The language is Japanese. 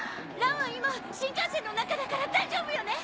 蘭は今新幹線の中だから大丈夫よね？